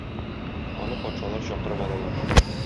Аны патшалар чакырып алалар.